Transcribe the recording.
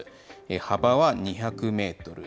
幅は２００メートル。